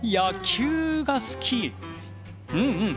うんうん。